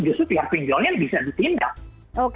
justru pihak pindol ini bisa ditindak